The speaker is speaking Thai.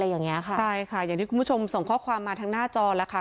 ใช่ค่ะอย่างที่คุณผู้ชมส่งข้อความมาทั้งหน้าจอแล้วค่ะ